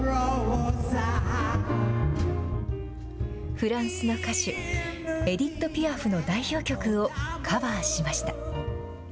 フランスの歌手、エディット・ピアフの代表曲をカバーしました。